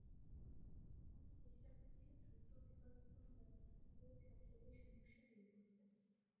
আমরা চেষ্টা করছি দ্রুত বিকল্প কোনো ব্যবস্থা করে ছাত্রীদের সমস্যা দূর করতে।